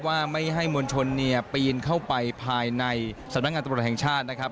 ว่าไม่ให้มวลชนเนี่ยปีนเข้าไปภายในสำนักงานตำรวจแห่งชาตินะครับ